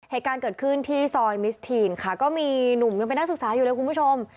เหตุการณ์เกิดขึ้นที่ซอยมิสทีนค่ะก็มีหนุ่มยังเป็นนักศึกษาอยู่เลยคุณผู้ชม